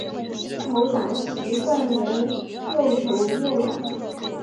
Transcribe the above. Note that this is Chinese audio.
投打习惯为右投右打。